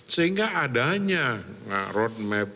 sehingga adanya roadmap